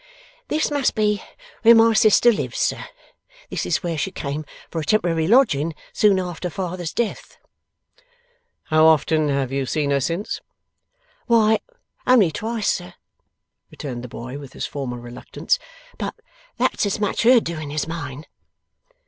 'This must be where my sister lives, sir. This is where she came for a temporary lodging, soon after father's death.' 'How often have you seen her since?' 'Why, only twice, sir,' returned the boy, with his former reluctance; 'but that's as much her doing as mine.